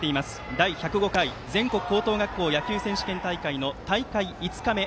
第１０５回全国高等学校野球選手権大会の大会５日目。